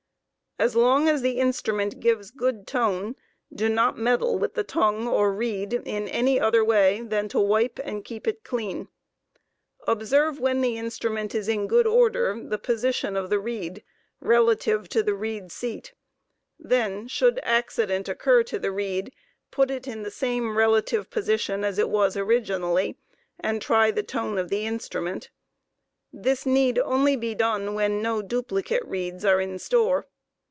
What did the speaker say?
As long as the instrument gives good tone, do not meddle with the tongue or reed in any other way than to wipe and keep it clean* Observe when thd instrument is in good order the position of the reed relative to the reed seat; then, should accident occur to the reed, put it in the same relative position as it was originally, and try the v tone of the instrument. This need only be done when no duplicate reeds are in store.